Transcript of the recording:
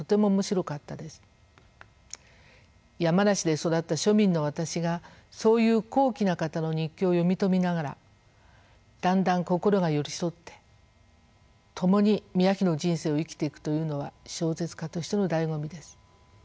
山梨で育った庶民の私がそういう高貴な方の日記を読み解きながらだんだん心が寄り添って共に宮妃の人生を生きていくというのは小説家としてのだいご味です。